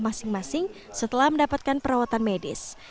masing masing setelah mendapatkan perawatan medis